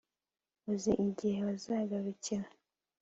Uzi igihe bazagarukira